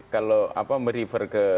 kalau berifer ke